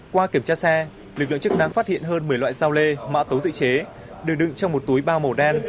qua kiểm tra xe lực lượng chức năng phát hiện hơn một mươi loại giao lê mạ tố tự chế đường đựng trong một túi bao màu đen